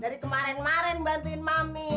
dari kemarin kemarin bantuin mami